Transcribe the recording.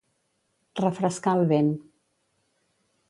Refrescar el vent.